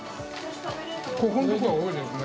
ここのところは多いですね。